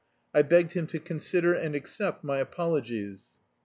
I begged him to consider and accept my apologies.